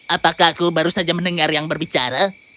apakah aku baru saja mendengar yang berbicara